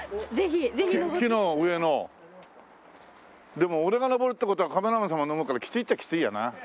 でも俺が上るって事はカメラマンさんも上るからきついっちゃきついよな。